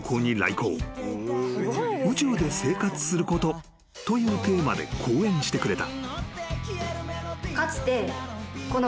［「宇宙で生活すること」というテーマで講演してくれた］